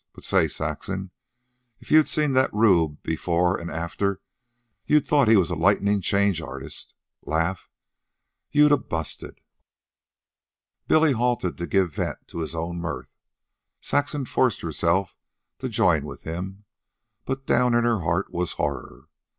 But say, Saxon, if you'd seen that rube before an' after you'd thought he was a lightnin' change artist. Laugh? You'd a busted." Billy halted to give vent to his own mirth. Saxon forced herself to join with him, but down in her heart was horror.